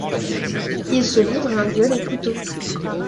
Ils se livrent à un duel au couteau.